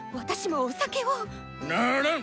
ならん！